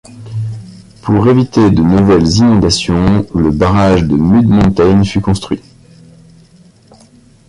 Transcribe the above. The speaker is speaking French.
Pour éviter de nouvelles inondations, le barrage Mud Mountain fut construit.